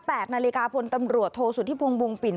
แปลกนาฬิกาฝนตำรวจโทรสุดที่พวงบุงปิ่น